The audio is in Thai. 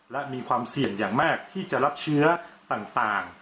และมีความเสี่ยงอย่างมากที่จะรับเชื้อต่าง